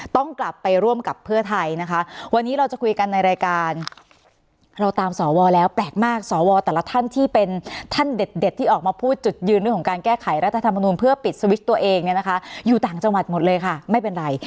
ต้องกลับไปร่วมกับเพื่อไทยนะคะวันนี้เราจะคุยกันในรายการเราตามสวแล้วแปลกมากสวแต่ละท่านที่เป็นท่านเด็ดที่ออกมาพูดจุดยืนเรื่องของการแก้ไขรัฐธรรมนุนเพื่อปิดสวิตช์ตัวเองเนี่ยนะคะอยู่ต่างจังหวัดหมดเลยค่ะไม่เป็นไร